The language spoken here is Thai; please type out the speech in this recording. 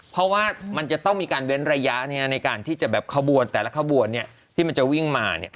เพราะว่ามันจะต้องมีการเว้นระยะในการที่จะแบบขบวนแต่ละขบวนที่มันจะวิ่งมา